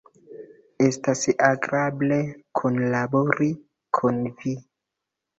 Estas agrable kunlabori kun vi.